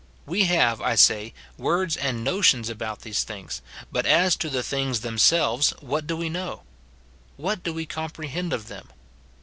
We have, I say, words and notions about these things ; but as to the things themselves what do we know ? what do we comprehend of them